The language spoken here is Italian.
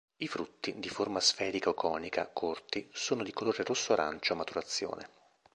I frutti, di forma sferica o conica, corti, sono di colore rosso-arancio a maturazione.